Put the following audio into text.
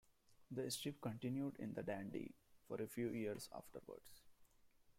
The strip continued in "The Dandy" for a few years afterwards.